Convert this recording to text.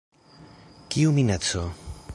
Kiu minaco?